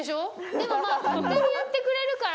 でもまあ勝手にやってくれるから。